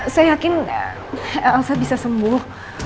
saya yakin elsa bisa sembuh